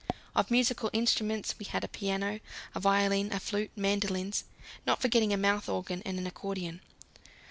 Of musical instruments we had a piano, a violin, a flute, mandolins, not forgetting a mouth organ and an accordion.